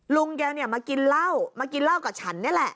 ลุงแกเนี่ยมากินเหล้า